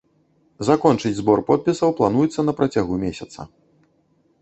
Закончыць збор подпісаў плануецца на працягу месяца.